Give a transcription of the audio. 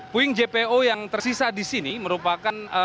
puing jpo yang tersisa di sini merupakan